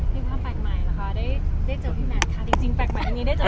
ขี้ภาพแปลกใหม่ค่ะได้เจอกับพี่แม่ค่ะ